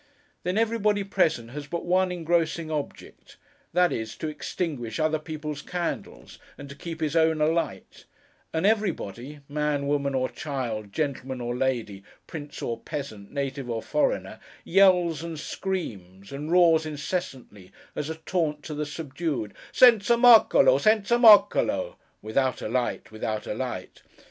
Then, everybody present has but one engrossing object; that is, to extinguish other people's candles, and to keep his own alight; and everybody: man, woman, or child, gentleman or lady, prince or peasant, native or foreigner: yells and screams, and roars incessantly, as a taunt to the subdued, 'Senza Moccolo, Senza Moccolo!' (Without a light! Without a light!)